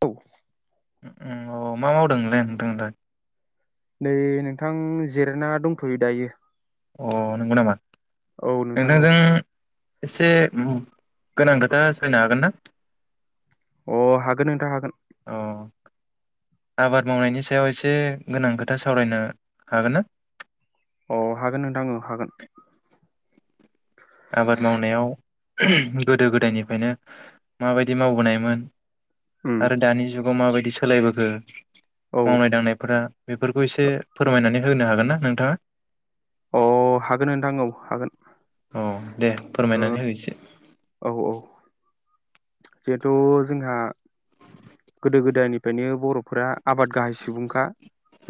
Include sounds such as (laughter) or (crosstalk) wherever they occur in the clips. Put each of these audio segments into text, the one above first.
औ औ मा मावदोंलाय नोंथांआलाय? नै नोंथां जिरायना दंथ'यो दायो। अ नंगौ नामा? औ नोंथां औ। नोंथांजों एसे गोनां खोथा (unintelligible) हागोन ना? अ हागोन नोंथां हागोन। अ आबाद मावनायनि सायाव एसे गोनां खोथा सावरायनो हागोन ना? अ हागोन नोंथां ओ हागोन। आबाद मावनायाव गोदो गोदायनिफ्रायनो माबायदि मावबोनायमोन? उम आरो दानि जुगाव माबाय दि सोलायबोखो औ मावनाय दांनायफोरा बेफोरखौ एसे फोरमायनानै होनो हागोन ना नोंथाङा? अ हागोन नोंथां औ हागोन। अ दे ओ फोरमायनानै होदो एसे। औ औ। जिहेथु जोंहा गोदो गोदायनिफ्रायनो बर' फोरा आबाद गाहाय सुबुंखा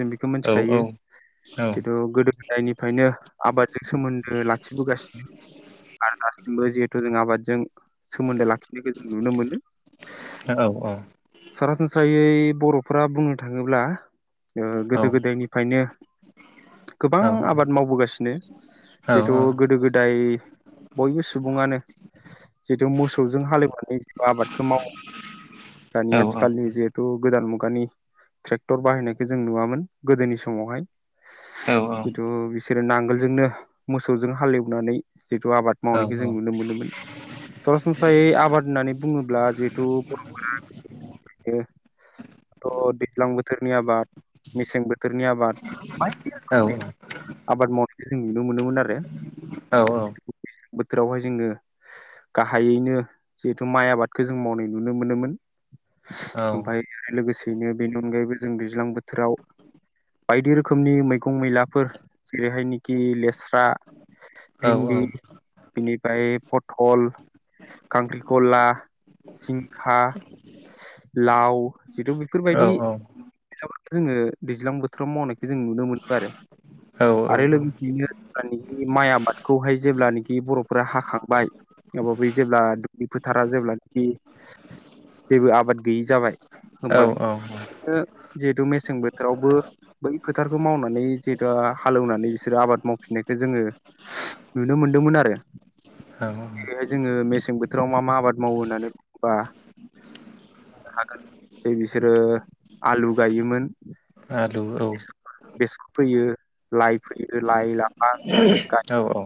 जों बेखौ औ औ मिनथिखायो औ जिथु गोदो गोदायनिफ्रायनो आबादजों सोमोन्दो लाखिबोगासिनो आरो दासिमबो बो हेतु जों आाबाद जों सोमोन्दो लाखिनायखौ जों नुनो मोनो। सरासनस्रायै बर'फोरा बुंनो थाङोब्ला औ गोदो गोदायनिफ्रायनो गोबां औ आबाद मावबोगासिनो औ जिहेथु गोदो गोदाय बयबो सुबुङानो जिहेथु मोसौजों हालेवनानै आबादखौ मावो औ दानिया आथिखालनि जिहेथु गो गोदान मुगानि ट्रेक्टर बाहायनायखौ जों नुवामोन गोदोनि समावहाय। औ जिथु बिसोरो नांगोलजोंनो मोसौजों हालेवनानै जिथु आबाद मावनायखौ जों नुनो मोनोमोन। सरासनस्रायै आबाद होननानै बुङोब्ला जिहेथु बर'फोरा ओ दैज्लां बोथोरनि आबाद मेसें बोथोर नि आबाद बायदि औ रोखोमनि औ आबाद माव जों नुनो मोनोमोन आरो। औ औ बोथोरावहाय जोंङो गाहायैनो जिहेथु माइ आबादखौ जों मावनाय नुनो मोनोमोन औ आलु औ ओमफाय लोगोसेयैनो बेनि अनगायैबो जों दैज्लां बोथोराव बायदि रोखोमनि मै मैगं मैलाफोर जेरैहायनि गिलेद स्रा भिनदि बिनिफ्राय फ थल खांख्रिखला जिंखा लाव जिथु बेफोरबायदि जोंङो दैज्लां बोथोराव मावनाय जों नुनो मोनो आरो आरो लोगोसेयैनो माइ आबादखौहाय जेब्लानोखि बर'फोरा हाखांबाय अबाव बै जेब्ला दुब्लिफोथारा जेब्ला नाखि आबाद गैयि जाबाय औ होमबा औ जिहेथु मेसें बोथोरावबो बै फोथारखौ मावनानै जिहेथु हालौवनानै बिसोरो आबाद मावफिननायखौ जोंङो नुनो मोनदोंमोन आरो जेरैहाय जोंङो मेसें बोथोराव मा मा आबाद मावो होननानै बुङोबा हागोन जे बिसोरो आलु गायोमोन आलु औ फैयो लाइ फैयो लाइ ला औ औ।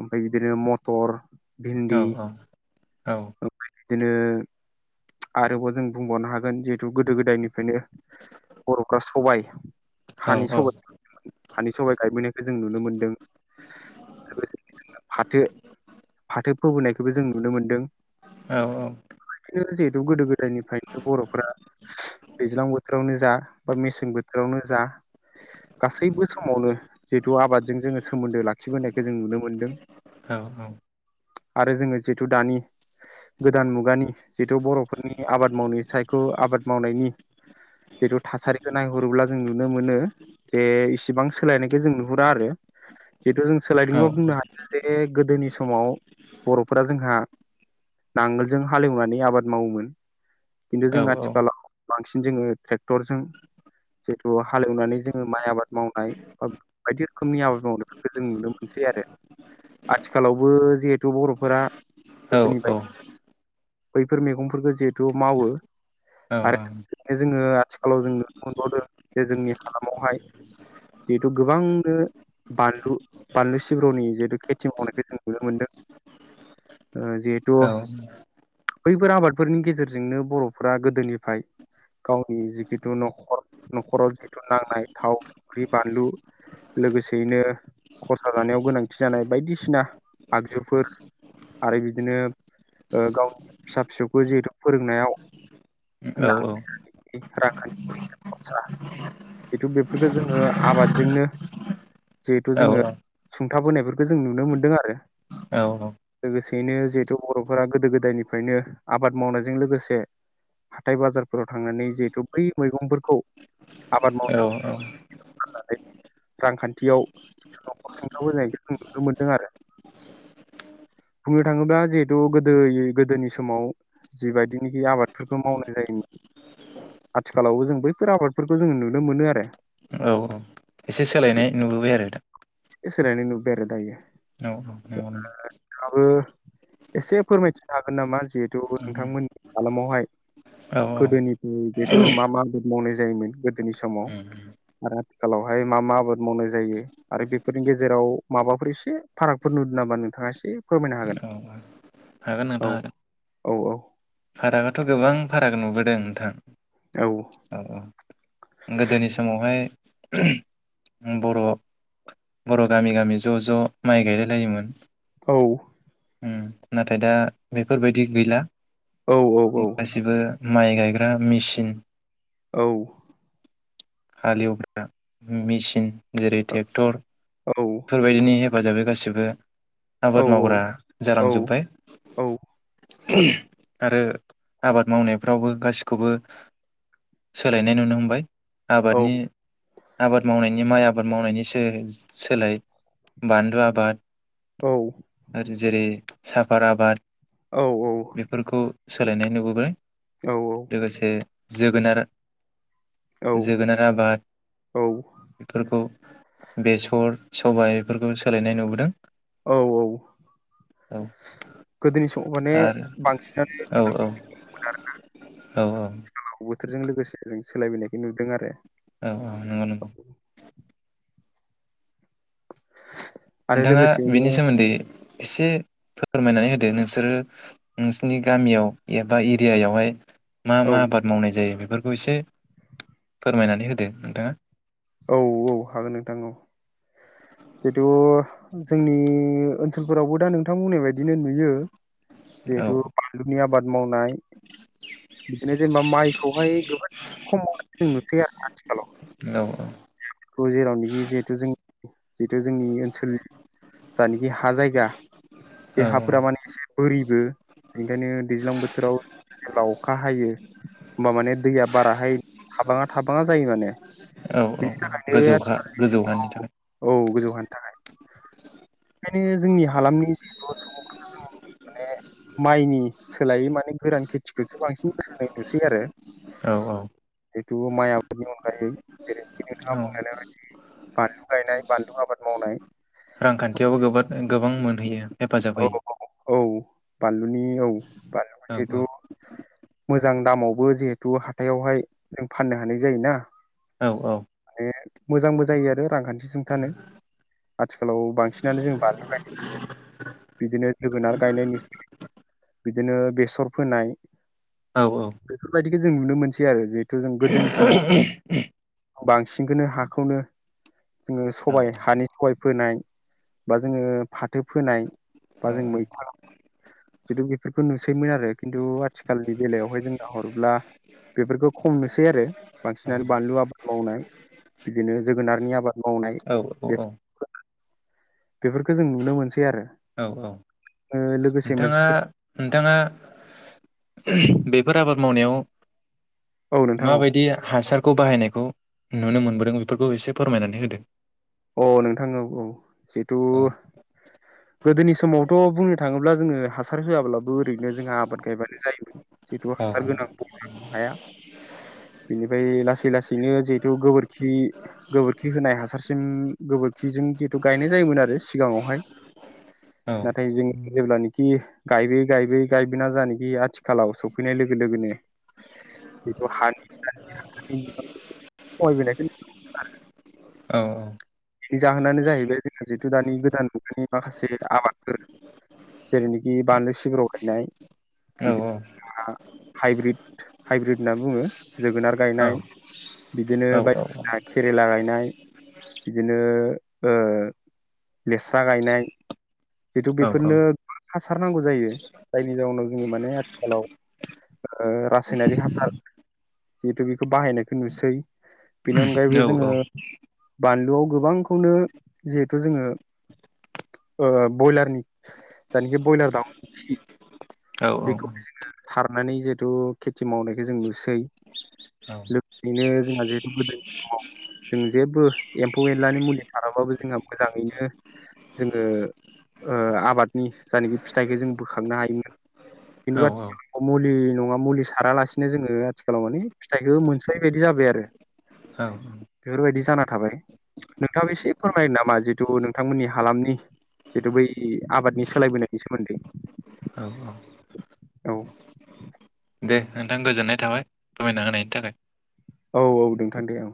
ओमफाय बिदिनो मथर औ औ। औ। बिदिनो आरोबाव जों बुंबावनो हागोन जिहेथु गोदो गोदायनिफ्रायनो बर'फ्रा सबाय हानि सबाय हानि सबाय गायबोनायखौ जों नुनो मोनदों फाथो फाथो फोबोनायखौबो जों नुनो मोन्दों। जिहेथु गोदो गोदायनिफ्रायनो बर'फ्रा दैज्लां बोथोरावनो जा बा मेसें बोथोरावनो जा गासैबो समावनो जिहेतु आबादजों जोंङो सोमोन्दो लाखिबोनायखौ जों नुनो मोनदों। आरो जोंङो जिथु दानि गोदान मुगानि जिथु बर'फोरनि आबाद मावनाय सायख' आबाद मावनायनि जिहेथु थासारिखौ नायहरोब्ला जों नुनो मोनो जे इसिबां सोलायनायखौ जों नुहुरा आरो जिहेतु जों सोलायदोंबो बुंनो हायो जे गोदोनि समाव बर'फोरा जोंहा नांगोलजों हालेवनानै आबाद मावोमोन। खिन्थु जों आथिखालाव बांसिन जोङो ट्रेक्टरजों जिहेतु हालेवनानै जोङो माइ आबाद मावनाय बा बायदि रोखोमनि आबाद मावनायफोरखौ जों नुनो मोनसै आरो आथिखालावबो जिहेथु बर'फोरा औ गोदोनि औ बायदि बैफोर मैगंफोरखौ जिहेथु मावो आरो बेनो जोङो आथिखालाव जों नुनो मोनबावदों जे जोंनि हालामावहाय जिहेथु गोबांनो बानलु बानलु सिब्र'नि जिहेतु खेथि मावनायखौ जों नुनो मोनदों। ओ जिहेथु औ बैफोर आबादफोरनि गेजेरजोंनो बर'फोरा गोदोनिफ्राय गावनि जिखिथु न'खर न'खराव जितु नांनाय थाव, संख्रि, बानलु लोगोसेयैनो खरसा जानायाव गोनांथि जानाय बायदिसिना आगजुफोर आरो बिदिनो ओ गाव फिसा फिसौखौ जिहेथु फोरोंनायाव ओ औ औ। रांखान्थिनि जि खरसा जितु बेफोरखौ जोङो आबादजोंनो जिहेथु जोङो सुंथाबोनायफोरखौ जों नुनो मोनदों आरो लोगोसेयैनो जिहेथु बर'फोरा गोदो गोदायनिफ्रायनो आबाद मावनायजों लोगोसे हाथाइ बाजारफोराव थांनानै जिहेथु बै मैगंफोरखौ आबाद मावनाय होननानै रांखान्थियाव जि नखर सुंथाबोनाय जायखौ जों नुनो मोनदों आरो बुंनो थाङोब्ला जिहेथु गोदो गोदोनि समाव जिबायदिनोखि आबादफोरखौ मावनाय जायोमोन। आथिखालावबो जों बैफोर आबादफोरखौ जों नुनो मोनो आरो एसे सोलायनाय नुबोबाय आरो इसे सोलायनाय नुबोबाय आरो दायो। औ ओ नंगौ नोंथांहाबो एसे फोरमायथिनो हागोन नामा? जिहेथु नंगौ। नोंथांमोननि हालामावहाय औ गोदोनिफ्राय जिथु मा मा आबाद मावनाय जायोमोन गोदोनि समाव उम आरो आथिखालावहाय मा मा आबाद मावनाय जायो आरो बे फोरनि गेजेराव माबाफोर एसे फारागफोर नुदो नामा नोंथाङा एसे फोरमायनो हागोन। औ हागोन औ नोंथां हागोन औ औ। फारागाथ' गोबां फाराग नुबोदों नोंथां। औ। औ औ गोदोनि समावहाय बर' बर' गामि गामि ज' ज' माइ गायलायलायोमोन। औ। उम नाथाय दा बेफोरबायदि गैला। औ गासिबो माइ गायग्रा मेसिन औ। हालेवग्रा मेसिन जेरै टेक्टर बेफोरबायदिनि हेफाजाबै गासिबो आबाद औ मावग्रा जालांजोबबाय। औ औ आरो आबाद मावनायफ्रावबो गासिखौबो सोलायनाय नुनो हमबाय। औ आबादनि। आबाद मावनायनि माइ आबाद मावनायनि सोलाय बानलु आबाद। औ। जेरै साफार आबाद। औ औ। बेफोरखौ सोलायनाय नुबोबाय। औ औ। लोगोसे जोगोनार। औ जोगोनार आबाद, बेफोरखौ बेसर सबाय बेफोरखौ सोलायनाय नुबोदों। औ औ औ गोदोनि समाव माने आरो बांसिनानो औ मोजांमीन आरोना? औ बोथोरजों लोगोसे जों सोलायबोनायखौ नुदों आरो । औ औ नंगौ नंगौ । (inaudible) नोंथांङा लोगोसेयैनो बेनि सोमोन्दै एसे फोरमायनानै होदो, नोंसोरो नोंसोरनि गामियाव एबा एरियायावहाय मा औ मा आबाद मावनाय जायो बे बेफोरखौ एसे फोरमायनानै होदो नोंथांङा। औ औ हागोन नोंथां औ जिथु जोंनि ओनसोलफोरावबो दा नोंथां बुंनाय बायदिनो नुयो। औ जिहेतु बानलुनि आबाद मावनाय। बिदिनो जेनेबा माइखौहाय गोबां खम मावनाय। सिन नुसै आ आथिखालाव। औ औ। जेरावनोखि जिहेतु जों जिहेतु जोंनि ओनसोलनि जानिखि हा जायगा। बे औ हाफोरा माने एसे बोरि बेबो ओंखायनो दैज्लां बोथोराव जेब्ला अखा हायो होमबा माने दैया बाराहाय थाबांङा थाबांङा जायो माने । औ औ। गोजौ हा गोजौ हानि थाखाय। मानि थाखाय? ओंखायनो जोंनि हालामनि जिहेथु सुबुंफोरखौ जोंङो माने माइनि सोलायै माने गोरान खेथिखौसो बांसिन गोसोनाय नुसै आरो, औ औ जितु माइ आबादनि अनगायै जेरैनोखि नोंथाङा औ बुंलांनाय बायदि बानलु गायनाय बानलु आबाद मावनाय । रांखान्थियावबो गोबाद गोबां मोनहैयो । हेफाजाब औ होयो । औ औ बानलुनि औ बानलुआ जेहेतु मोजां दामावबो जिहेथु हाथायावहाय जों फाननो हानाय जायोना औ औ माने मोजांबो जायो आरो। रांखान्थि सुंथानो आथिखालाव बांसिनानो जों बानलु गायनाय बिदिनो जोगोनार गायनाय नुसै। बिदिनो बेसर फोनाय औ औ खो जों नुनो मोनसै आरो जे (unintelligible) बांसिनखौनो हाखौनो जोंङो सबाय हानि सबाय फोनाय बा जोंङो फा थो फोनाय बा औ जों मैथा जिहेथु बेफोरफोरखौ नोंसो सैमोन आरो खिन्थु आथिखालनि बेलायावहाय जों नाहरोब्ला बेफोरखौ खम नुसै आरो बांसिनानो बानलु आबाद मावनाय बिदिनो जोगोनारनि आबाद मावनाय औ औ बे औ बेफोरखौ जों नुनो मोन सै आरो औ औ ओ लोगोसे मोन नोंथाङा नोंथाङा बेफोर आबाद मावनायाव औ नोंथां माबायदि हासार खौ बाहायनायखौ नुनो मोनबोदों बेफोरखौ एसे फोरमायनानै होदो। अ नोंथां औ औ जिहेथु औ गोदोनि समावथ' बुंनो थाङोब्ला जोङो हास सार होआब्लाबो ओरैनो जोंहा आबाद गायबानो जायोमोन। जिहेथु औ हासार गोनां बुंनां हाया बेनिफ्राय लासै लासैनो जिहेथु गोबोरखि गोबोरखि होनाय हासार सिम गोबोरखिजों जिहेथु गायनाय जायोमोन आरो सिगाङावहाय औ नाथाय जोङो जेब्लानिखि गायबोयै गायबोयै गायबोना जानोखि आथिखालाव सफैनाय लोगो लोगोनो जिहेथु हानि बिबांखौ खमायबोनाय (inaudible) औ औ नि जाहोनानो जाहैबाय जोंहा जिहेथु दानि गोदान मुगानि माखासे आबादफोर जेरैनिखि बानलु सिब्र' गायनाय औ औ बिदिबा हाइब्रिद हाइब्रिद होनना बुङो जोगोनार औ गायनाय बिदिनो बायदिसिना केरेला गायनाय बिदिनो ओ लेस्रा गायनाय जिहेथु बेफोरनो हा सार नांगौ जायो जायनि जाउनाव जोङो माने आथिखालाव ओ रासायनारि हासार जिहेथु बेखौ बाहायनायखौ नुसै बेनि अनगायैबो जोङो बानलुआव गोबांखौनो जिहेथु जोङो ओ बयलारनि जानिखि बयलार दावनि‌ खि औ औ औ बेखौ सारनानै जिहेथु खेथि मावनायखौ जों नुसै लोगोसेयैनो जोंहा जिहेथु गोदो समाव जों जेबबो एम्फौ एनलानि मुलि साराबाबो जोंहा मोजाङैनो जोङो ओ आबादनि जायनाखि फिथाइखौ जों बोखांनो हायोमोन खिन्थु औ आथिखालाव मुलि नङा मुलि सारालासिनो जोङो आथिखालाव माने फिथाइखौ मोनस्रायै बायदि जाबाय आरो औ बेफोरबायदि जाना थाबाय नोंथाङाबो एसे फोरमायनो नामा जिहेथु नोंथांमोननि हालामनि जिहेथु बै आबादनि सोलायबोनायनि सोमोन्दै औ औ दे नोंथां गोजोननाय थाबाय फोरमायना होनायनि थाखाय औ औ नोंथां दे औ